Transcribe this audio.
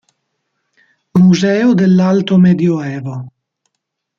Museo dell'Alto Medioevo